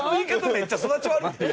めっちゃ育ち悪い。